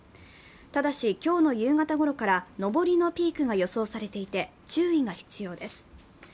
ただし、今日の夕方ごろから上りのピークが予想されていて注意が必要です。